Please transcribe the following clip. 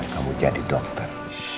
kamu jadi dokter